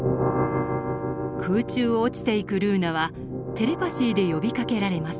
空中を落ちていくルーナはテレパシーで呼びかけられます。